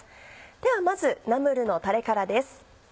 ではまずナムルのタレからです。